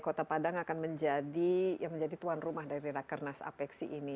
kota padang akan menjadi ya menjadi tuan rumah dari raker nas apeksi ini